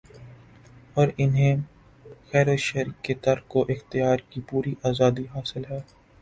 اور انھیں خیروشر کے ترک و اختیار کی پوری آزادی حاصل ہے